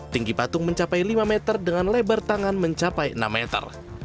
tinggi patung mencapai lima meter dengan lebar tangan mencapai enam meter